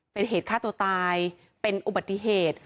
เป็นเหตุฆ่าตัวตายเป็นอุบัติเหตุ